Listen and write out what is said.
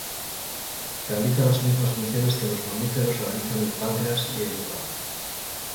Realiza las mismas funciones que en los mamíferos realizan el páncreas y el hígado.